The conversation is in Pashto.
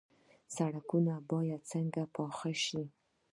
سړکونه باید څنګه پاخه شي؟